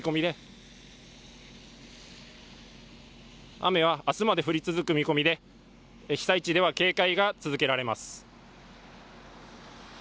雨は明日まで降り続く見込みで被災地では警戒が続けられます。